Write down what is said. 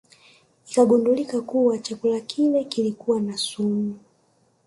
Ikagundulika kuwa chakula kile kilikuwa na sumu